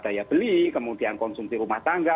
daya beli kemudian konsumsi rumah tangga